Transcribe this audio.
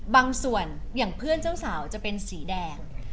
บางส่วนอย่างเพื่อนเจ้าสาวจะเป็นสีแดง